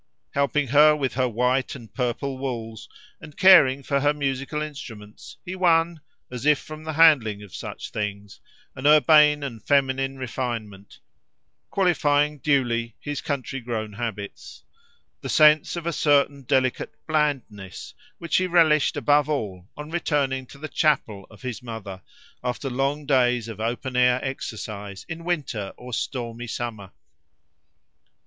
Helping her with her white and purple wools, and caring for her musical instruments, he won, as if from the handling of such things, an urbane and feminine refinement, qualifying duly his country grown habits—the sense of a certain delicate blandness, which he relished, above all, on returning to the "chapel" of his mother, after long days of open air exercise, in winter or stormy summer.